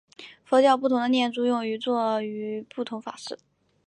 佛教不同的念珠用于作不同法事。